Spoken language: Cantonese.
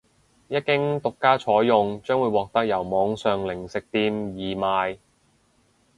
一經獨家採用將會獲得由網上零食店易買